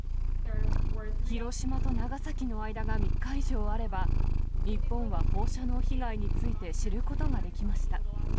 広島と長崎の間が３日以上あれば、日本は放射能被害について知ることができました。